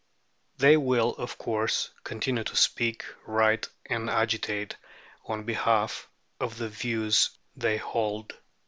They will, of course, continue to speak, write, and agitate on behalf of the views they hold.